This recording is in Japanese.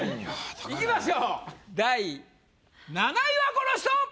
いきましょう第７位はこの人！